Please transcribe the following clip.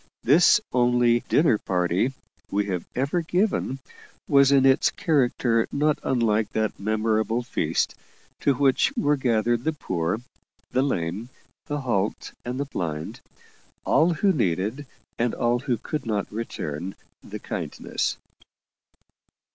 This only "dinner party" we had ever given, was in its character not unlike that memorable feast, to which were gathered the poor, the lame, the halt, and the blind all who needed, and all who could not return, the kindness.